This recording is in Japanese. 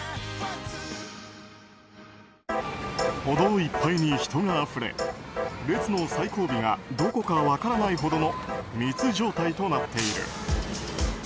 歩道いっぱいに人があふれ列の最後尾がどこか分からないほどの密状態となっている。